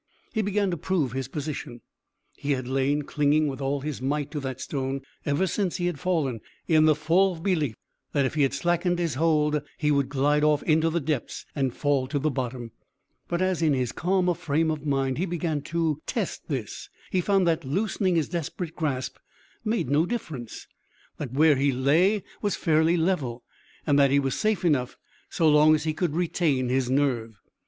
He began to prove his position. He had lain clinging with all his might to that stone ever since he had fallen, in the full belief that if he slackened his hold he would glide off into the depths and fall to the bottom; but as in his calmer frame of mind he began to test this, he found that loosening his desperate grasp made no difference, that where he lay was fairly level, and that he was safe enough so long as he could retain his nerve.